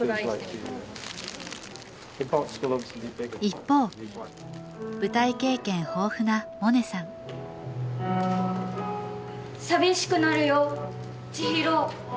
一方舞台経験豊富な萌音さん「寂しくなるよ千尋！